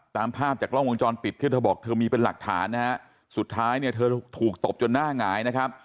ตามภาพจากกล้องวงจรปิดที่เธอบอกเธอมีเป็นหลักฐานนะฮะสุดท้ายเนี่ยเธอถูกตบจนหน้าหงายนะครับ